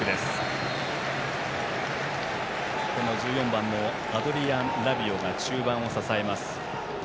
１４番、アドリアン・ラビオが中盤を支えます。